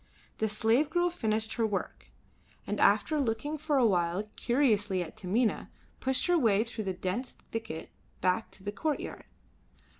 The slave girl finished her work, and after looking for a while curiously at Taminah, pushed her way through the dense thicket back to the courtyard.